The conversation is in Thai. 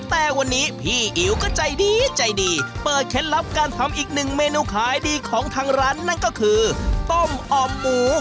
แต่วันนี้พี่อิ๋วก็ใจดีใจดีเปิดเคล็ดลับการทำอีกหนึ่งเมนูขายดีของทางร้านนั่นก็คือต้มอ่อมหมู